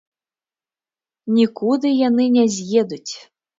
Нікуды яны не з'едуць!